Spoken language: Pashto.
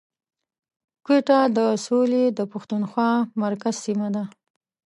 کوټه د سویلي پښتونخوا مرکز سیمه ده